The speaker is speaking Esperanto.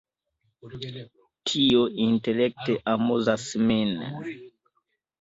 Tio intelekte amuzas min!